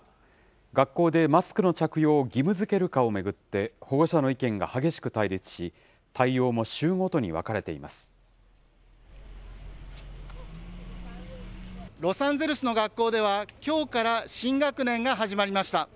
学校でマスクの着用を義務づけるかを巡って、保護者の意見が激しく対立し、ロサンゼルスの学校では、きょうから新学年が始まりました。